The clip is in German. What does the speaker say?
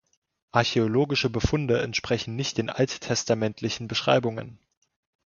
Archäologische Befunde entsprechen nicht den alttestamentlichen Beschreibungen.